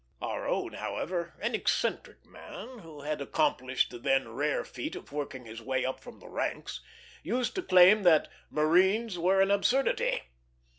Our own, however, an eccentric man, who had accomplished the then rare feat of working his way up from the ranks, used to claim that marines were an absurdity.